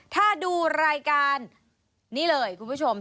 ถ้าดูรายการนี้เลยคุณผู้ชม